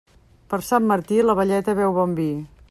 Per Sant Martí, la velleta beu bon vi.